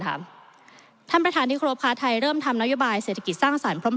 ท่านประธานที่ครบค่ะไทยเริ่มทำนโยบายเศรษฐกิจสร้างสรรค์พร้อม